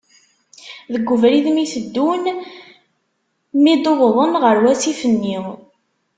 Deg ubrid mi teddun, mi d uwḍen ɣer wasif-nni.